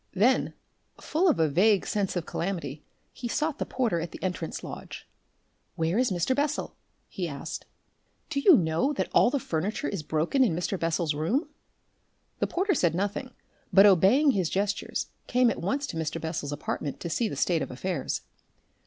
Then, full of a vague sense of calamity, he sought the porter at the entrance lodge. "Where is Mr. Bessel?" he asked. "Do you know that all the furniture is broken in Mr. Bessel's room?" The porter said nothing, but, obeying his gestures, came at once to Mr. Bessel's apartment to see the state of affairs.